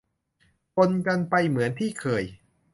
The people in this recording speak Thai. ปนกันไปเหมือนที่เคย